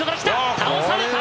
倒された！